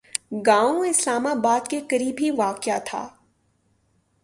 گاؤں اسلام آباد کے قریب ہی واقع تھا